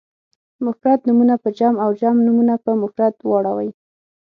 مفرد نومونه په جمع او جمع نومونه په مفرد واړوئ.